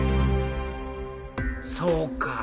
そうか。